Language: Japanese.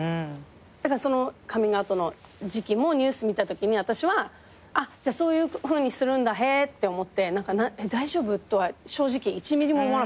そのカミングアウトの時期もニュース見たときに私はそういうふうにするんだへぇって思って大丈夫？とは正直１ミリも思わなかったの。